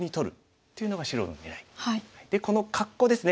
でこの格好ですね。